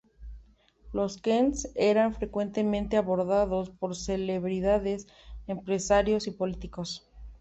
Los 'Queens' eran frecuentemente abordados por celebridades, empresarios y políticos.